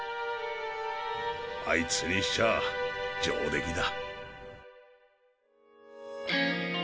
あいつにしちゃ上出来だ。